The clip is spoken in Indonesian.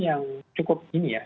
yang cukup ini ya